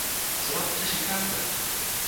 Co nám tedy říkáte?